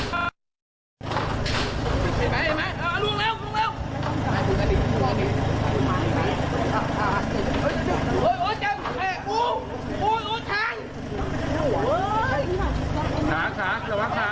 ครอบรึงใจร้านแบบว่า